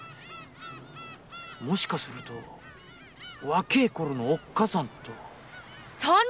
もしかすると若いころのおっかさんと？